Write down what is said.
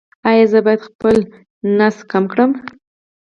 ایا زه باید خپل ګیډه کمه کړم؟